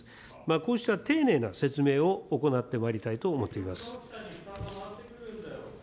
こうした丁寧な説明を行ってまいりたいと思っております。